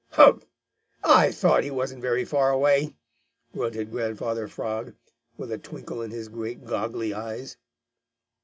"Humph! I thought he wasn't very far away," grunted Grandfather Frog, with a twinkle in his great, goggly eyes.